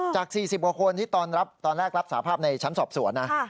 จาก๔๐กว่าคนที่ตอนแรกรับสาภาพในชั้นสอบสวนนะ